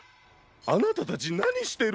あなたたちなにしてるの？